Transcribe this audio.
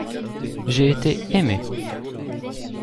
J’ai été aimé.